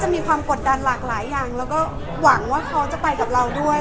มีความกดดันหลากหลายอย่างแล้วก็หวังว่าเขาจะไปกับเราด้วย